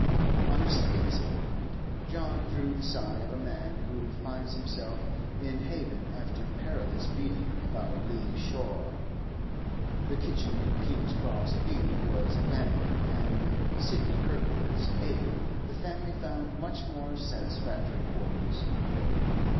On receiving this appointment, John drew the sigh of a man who finds himself in haven after perilous beating about a lee shore. The kitchen in King's Cross Road was abandoned, and with Sidney Kirkwood's aid the family found much more satisfactory quarters.